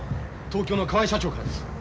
東京の河合社長からです。